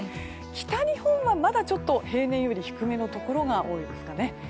北日本はまだちょっと平年より低めのところが多いですかね。